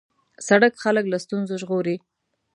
سړک خلک له ستونزو ژغوري.